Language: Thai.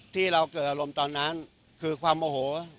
ที่เราเกิดอารมณ์ตอนนั้นคือความโอโห